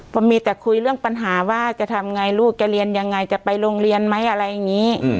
พอมีแต่คุยเรื่องปัญหาว่าจะทำไงลูกจะเรียนยังไงจะไปโรงเรียนไหมอะไรอย่างนี้